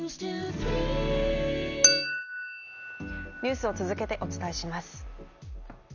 ニュースを続けてお伝えします。